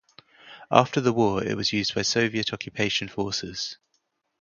After the war, it was used by Soviet occupation forces.